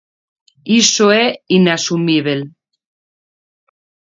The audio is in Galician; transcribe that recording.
Iso é inasumíbel.